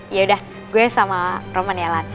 yaudah gue sama roman ya lan